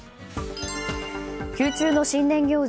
宮中の新年行事